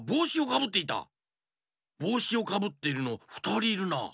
ぼうしをかぶってるのふたりいるな。